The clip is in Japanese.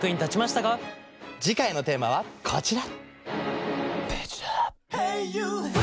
次回のテーマはこちら！